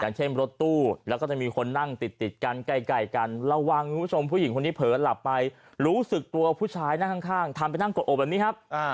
เช่นรถตู้แล้วก็จะมีคนนั่งติดติดกันไกลกันระวังคุณผู้ชมผู้หญิงคนนี้เผลอหลับไปรู้สึกตัวผู้ชายนั่งข้างทำไปนั่งกดอกแบบนี้ครับ